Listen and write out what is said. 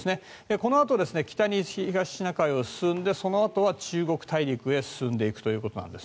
このあと北に東シナ海を進んでそのあとは中国大陸に進んでいくということです。